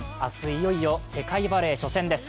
いよいよ世界バレー初戦です。